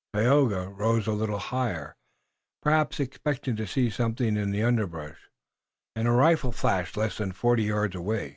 Tayoga rose a little higher, perhaps expecting to see something in the underbrush, and a rifle flashed less than forty yards away.